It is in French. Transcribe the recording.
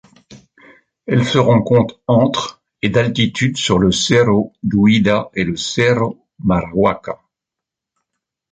Elle se rencontre entre et d'altitude sur le cerro Duida et le cerro Marahuaca.